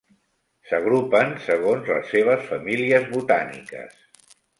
S'agrupen segons les seves famílies botàniques.